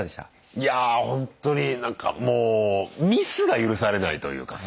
いやほんとになんかもうミスが許されないというかさ。